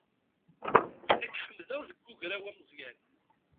Ad k-ḥemdeɣ deg ugraw ameẓẓyan.